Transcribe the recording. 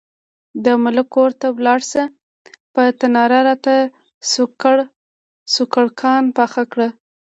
د ملک کور ته لاړه شه، په تناره راته سوکړکان پاخه کړه.